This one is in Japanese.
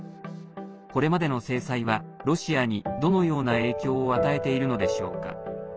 これまでの制裁はロシアに、どのような影響を与えているのでしょうか。